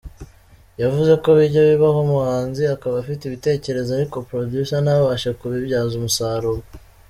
Yavuze ko bijya bibaho umuhanzi akaba afite ibitekerezo ariko Producer ntabashe kubibyaza umusaruro.